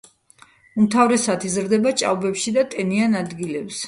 უმთავრესად იზრდება ჭაობებში და ტენიან ადგილებზე.